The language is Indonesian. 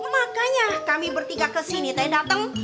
makanya kami bertiga kesini teh datang